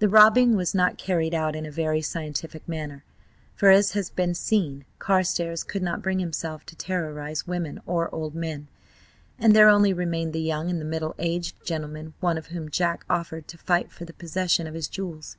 The robbing was not carried out in a very scientific manner, for, as has been seen, Carstares could not bring himself to terrorise women or old men, and there only remained the young and the middle aged gentlemen, one of whom Jack offered to fight for the possession of his jewels.